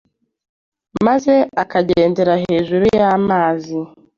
maze akagendera hejuru y’amazi?